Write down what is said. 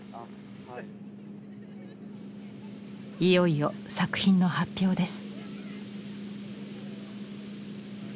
いよいよ作品の発表です。